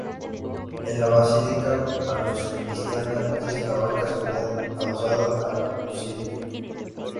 En la basílica paleocristiana es la bancada seguida adosada al ábside.